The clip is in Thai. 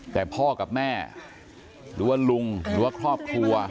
แต่พ่อกับแม่หรือว่าลุงหรือว่าครอบครัว